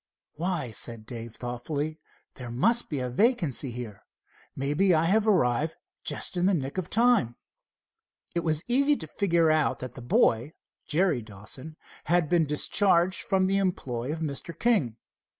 "Why," said Dave thoughtfully, "there must be a vacancy here. Maybe I have arrived just in the nick of time." It was easy to figure out that the boy, Jerry Dawson, had been discharged from the employ of Mr. King.